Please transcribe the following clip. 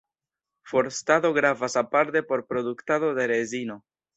Forstado gravas aparte por produktado de rezino.